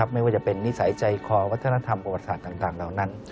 ไม่ว่าจะเป็นนิสัยใจคอวัฒนธรรมประวัติศาสตร์ต่างเหล่านั้น